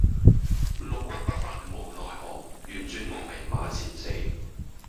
六軍不發無奈何，宛轉蛾眉馬前死。